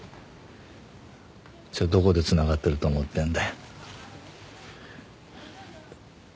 じゃどこでつながってると思ってんだよ？